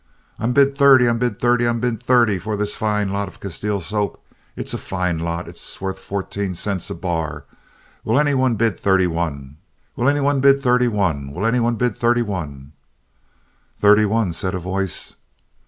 "I'm bid thirty! I'm bid thirty! I'm bid thirty for this fine lot of Castile soap. It's a fine lot. It's worth fourteen cents a bar. Will any one bid thirty one? Will any one bid thirty one? Will any one bid thirty one?" "Thirty one," said a voice.